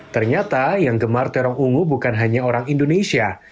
ternyata yang gemar terong ungu bukan hanya orang indonesia